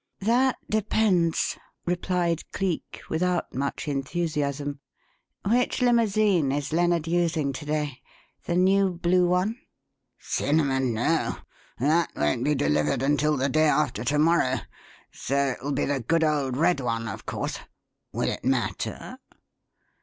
"That depends," replied Cleek without much enthusiasm. "Which limousine is Lennard using to day? The new blue one?" "Cinnamon, no! That won't be delivered until the day after to morrow. So it will be the good old red one, of course. Will it matter?"